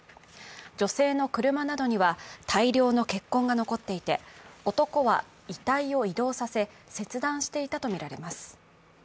女性の車などには大量の血痕が残っていて男は遺体を移動させ、切断していたとみられます。